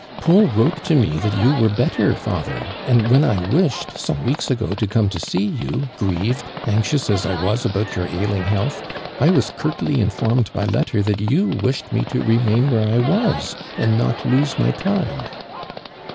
" Paul wrote to me that you were better, father; and when I wished, some weeks ago, to come to see you, . grieved, anxious as I was about your ailing health, I was curtly informed by letter that you wished me to remain where I was and not lose my time."